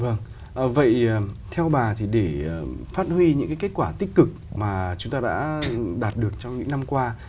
vâng vậy theo bà thì để phát huy những kết quả tích cực mà chúng ta đã đạt được trong những năm qua